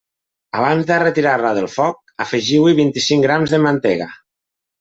Abans de retirar-la del foc, afegiu-hi vint-i-cinc grams de mantega.